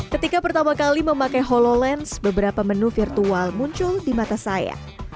ketika pertama kali memakai hololens beberapa menu virtual muncul di mata saya